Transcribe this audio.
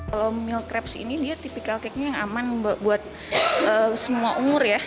kalau meal crabs ini dia tipikal cake nya yang aman buat semua umur ya